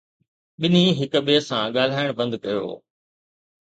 ٻنهي هڪ ٻئي سان ڳالهائڻ بند ڪيو